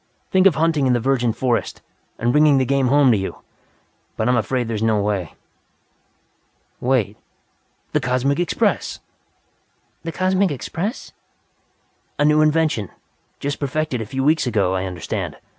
Think of hunting in the virgin forest, and bringing the game home to you! But I'm afraid there is no way. Wait! The Cosmic Express." "The Cosmic Express?" "A new invention. Just perfected a few weeks ago, I understand.